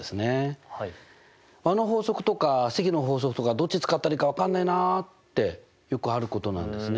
和の法則とか積の法則とかどっち使ったらいいか分かんないなってよくあることなんですね。